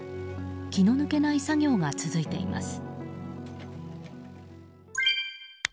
気の抜けない作業が続いています。